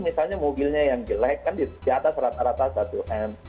misalnya mobilnya yang jelek kan di atas rata rata satu m